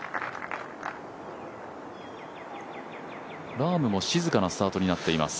ラームも静かなスタートになっています。